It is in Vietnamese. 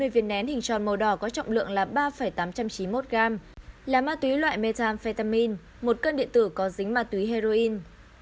hai mươi viên nén hình tròn màu đỏ có trọng lượng là ba tám trăm chín mươi một gram là ma túy loại methamphetamin một cân điện tử có dính ma túy heroin